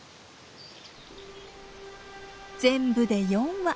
全部で４羽。